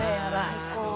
最高。